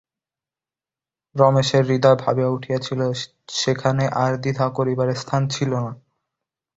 রমেশের হৃদয় ভরিয়া উঠিয়াছিল–সেখানে আর দ্বিধা করিবার স্থান ছিল না।